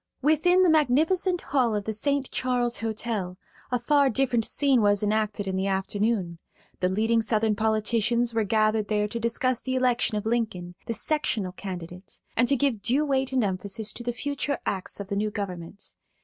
Within the magnificent hall of the St. Charles Hotel a far different scene was enacted in the afternoon. The leading Southern politicians were gathered there to discuss the election of Lincoln, the "sectional" candidate, and to give due weight and emphasis to the future acts of the new government.